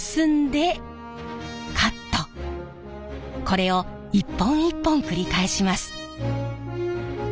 これを一本一本繰り返します。